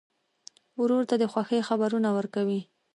ورور ته د خوښۍ خبرونه ورکوې.